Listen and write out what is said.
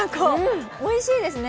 おいしいですね。